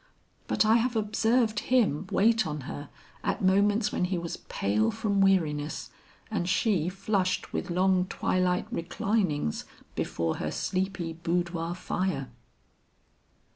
But I have observed him wait on her at moments when he was pale from weariness and she flushed with long twilight reclinings before her sleepy boudoir fire."